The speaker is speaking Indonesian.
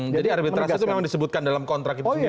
jadi arbitrase itu memang disebutkan dalam kontrak itu sendiri